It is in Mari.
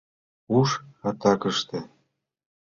Уш — атакыште.